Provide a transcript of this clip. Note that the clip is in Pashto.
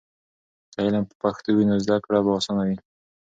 که علم په پښتو وي نو زده کړه به آسانه وي.